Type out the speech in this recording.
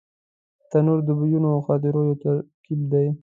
تنور د بویونو او خاطرو یو ترکیب دی